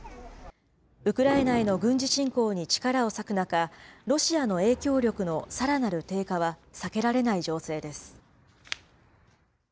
ウクライナへの軍事侵攻に力を割く中、ロシアの影響力のさらなる低下は避けられない情勢です。